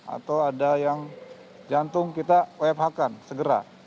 atau ada yang jantung kita wfh kan segera